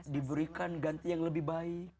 diberikan ganti yang lebih baik